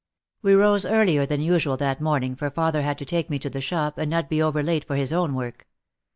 We rose earlier than usual that morning for father had to take me to the shop and not be over late for his own work.